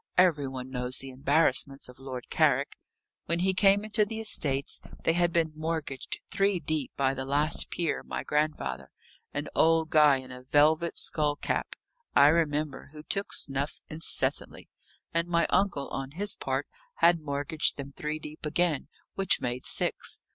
"Every one knows the embarrassments of Lord Carrick. When he came into the estates, they had been mortgaged three deep by the last peer, my grandfather an old guy in a velvet skull cap, I remember, who took snuff incessantly and my uncle, on his part, had mortgaged them three deep again, which made six.